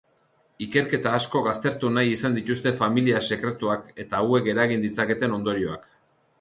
Ikerketa askok aztertu nahi izan dituzte familia sekretuak eta hauek eragin ditzaketen ondorioak.